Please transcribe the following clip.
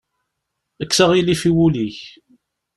Kkes aɣilif i wul-ik.